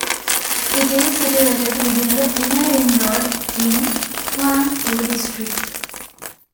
It is situated within the inner ring-road in Huangpu District.